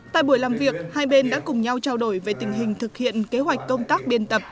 tại buổi làm việc hai bên đã cùng nhau trao đổi về tình hình thực hiện kế hoạch công tác biên tập